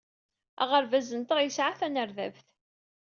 Aɣerbaz-nteɣ yesɛa tanerdabt.